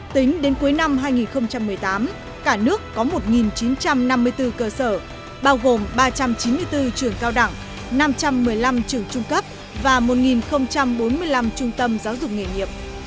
tính đến cuối năm hai nghìn một mươi tám cả nước có một chín trăm năm mươi bốn cơ sở bao gồm ba trăm chín mươi bốn trường cao đẳng năm trăm một mươi năm trường trung cấp và một bốn mươi năm trung tâm giáo dục nghề nghiệp